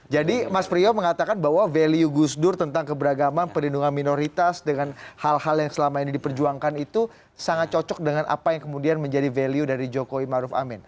jadi mas priyo mengatakan bahwa value gus duru tentang keberagaman perlindungan minoritas dengan hal hal yang selama ini diperjuangkan itu sangat cocok dengan apa yang kemudian menjadi value dari jokowi ma'ruf amin